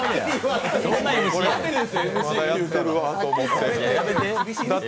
まだやってるわと思って。